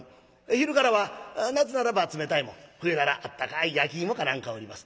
昼からは夏ならば冷たいもん冬ならあったかい焼き芋か何かを売ります。